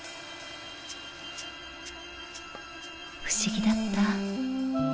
不思議だった。